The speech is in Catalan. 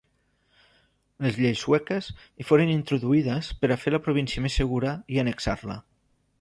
Les lleis sueques hi foren introduïdes per a fer la província més segura i annexar-la.